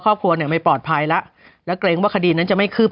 ครอบครัวเนี่ยไม่ปลอดภัยแล้วแล้วเกรงว่าคดีนั้นจะไม่คืบ